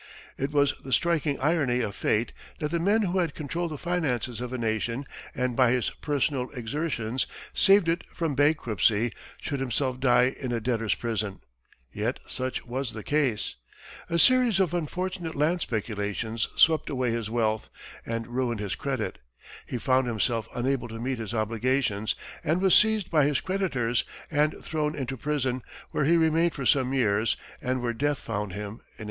It was the striking irony of fate that the man who had controlled the finances of a nation and by his personal exertions saved it from bankruptcy should himself die in a debtor's prison; yet such was the case. A series of unfortunate land speculations swept away his wealth and ruined his credit; he found himself unable to meet his obligations and was seized by his creditors and thrown into prison, where he remained for some years, and where death found him in 1806.